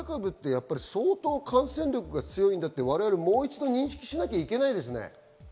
デルタ株って相当、感染力が強いんだって、もう一度認識しなきゃいけないですね。